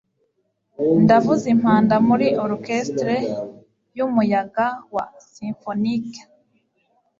Ndavuza impanda muri orchestre yumuyaga wa simfonique.